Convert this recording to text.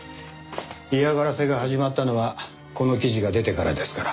嫌がらせが始まったのはこの記事が出てからですから。